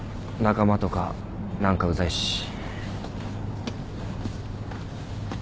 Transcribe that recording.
仲間とか何かうざいし。